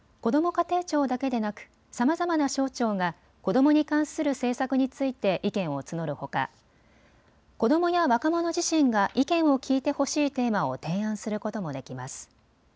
家庭庁だけでなくさまざまな省庁が子どもに関する政策について意見を募るほか、子どもや若者自身が意見を聴いてほしいテーマを提案することもできます。